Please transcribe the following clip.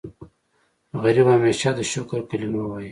غریب همیشه د شکر کلمه وايي